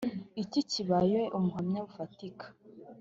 iki kibaye umuhamya bufatika